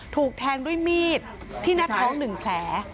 ถูกแทงด้วยมีดที่นัดท้องหนึ่งแผล